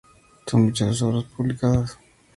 Son muchas sus obras publicadas.